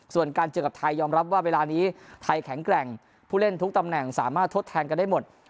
ส่วนการเจอกับไทยยอมรับว่าเวลานี้ไทยแข็งแกร่งผู้เล่นทุกตำแหน่งสามารถทดแทนกันได้หมด